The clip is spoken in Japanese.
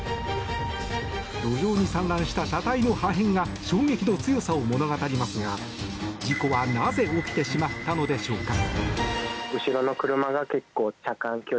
路上に散乱した車体の破片が衝撃の強さを物語りますが事故は、なぜ起きてしまったのでしょうか。